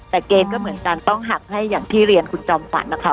แต่เกณฑ์ก็เหมือนกันต้องหักให้อย่างที่เรียนคุณจอมฝันนะคะ